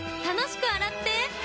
楽しく洗っ手！